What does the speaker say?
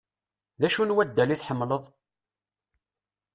D acu n waddal i tḥemmleḍ?